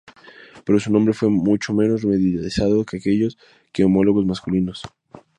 Pero su nombre fue mucho menos mediatizado que aquellos de sus homólogos masculinos.